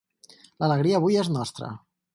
L'alegria avui és nostra.